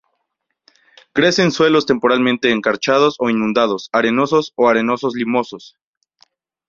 Crece en suelos temporalmente encharcados o inundados, arenosos o arenoso-limosos.